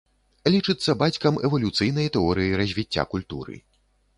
Лічыцца бацькам эвалюцыйнай тэорыі развіцця культуры.